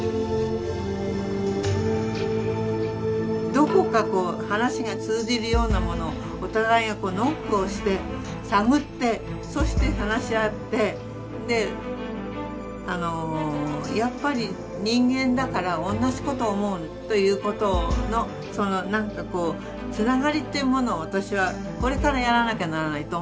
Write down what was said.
どこかこう話が通じるようなものをお互いがノックをして探ってそして話し合ってやっぱり人間だから同じことを思うということのその何かこうつながりというものを私はこれからやらなきゃならないと思ってますね。